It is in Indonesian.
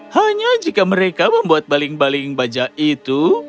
hanya jika mereka membuat baling baling baja itu